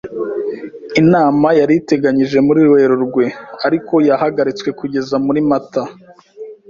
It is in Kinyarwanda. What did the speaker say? Inama yari iteganijwe muri Werurwe, ariko yahagaritswe kugeza muri Mata.